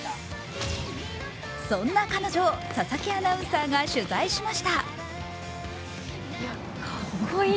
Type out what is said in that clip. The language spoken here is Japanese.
そんな彼女を佐々木アナウンサーが取材しました。